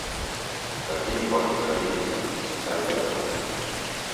Lakini kwaki w'arighiti w'ikalia w'andu.